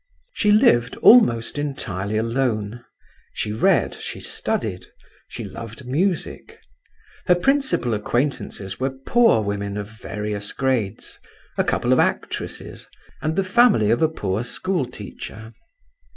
She lived almost entirely alone; she read, she studied, she loved music. Her principal acquaintances were poor women of various grades, a couple of actresses, and the family of a poor schoolteacher.